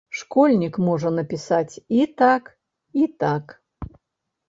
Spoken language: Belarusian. Школьнік можа напісаць і так, і так.